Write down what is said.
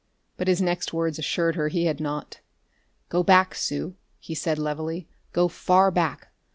But his next words assured her he had not. "Go back, Sue," he said levelly. "Go far back.